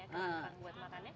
kerang buat makannya